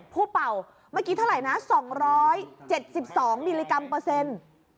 เป่าเมื่อกี้เท่าไหร่นะ๒๗๒มิลลิกรัมเปอร์เซ็นต์